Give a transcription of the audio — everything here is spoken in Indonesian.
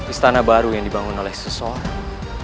istana baru yang dibangun oleh seseorang